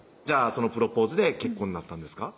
そのプロポーズで結婚になったんですか？